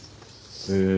へえ。